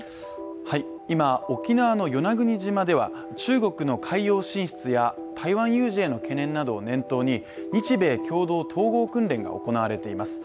今、沖縄の与那国島では中国の海洋進出や台湾有事への懸念などを念頭に日米共同統合訓練が行われています。